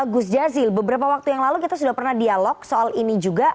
gus jazil beberapa waktu yang lalu kita sudah pernah dialog soal ini juga